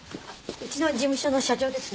うちの事務所の社長です。